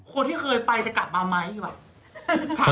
คนที่เคยไปจะกลับมาไหมวะ